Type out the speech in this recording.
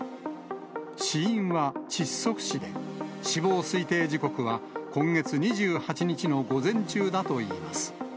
死因は窒息死で、死亡推定時刻は今月２８日の午前中だといいます。